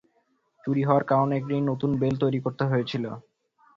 চুরি হওয়ার কারণে একটি নতুন বেল্ট তৈরি করতে হয়েছিল।